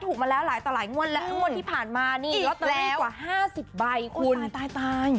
ถูกมาแล้วหลายต่อหลายงวดแล้วงวดที่ผ่านมานี่อีกแล้วแล้วแต่ไม่กว่าห้าสิบใบคุณตายตายตาย